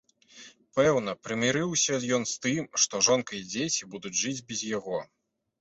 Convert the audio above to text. Пэўна, прымірыўся ён з тым, што жонка і дзеці будуць жыць без яго.